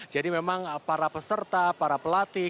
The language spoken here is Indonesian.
jadi memang para peserta para pelatih